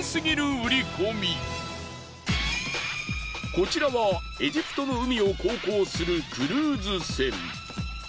こちらはエジプトの海を航行するクルーズ船。